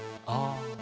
ああ。